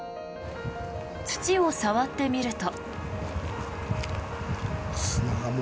土を触ってみると。